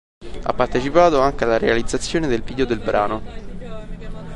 Ha partecipato anche alla realizzazione del video del brano.